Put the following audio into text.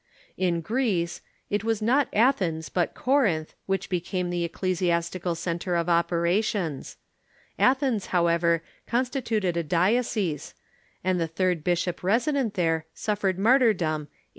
In Greece, it was not Athens, but Corinth, Avhich be came the ecclesiastical centre of operations. Athens, however, constituted a diocese, and the third bishoj) resident there suf fered martyrdom a.